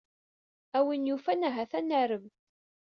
A win yufan, ahat, ad narem.